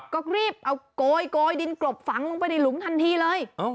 ก็รีบเอาโกยดินกลบฝังลงไปในหลุมทันทีเลย